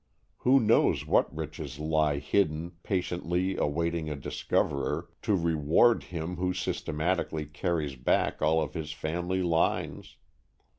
Who knows what riches lie hidden, patiently awaiting a discoverer, to reward him who systematically carries back all of his family lines?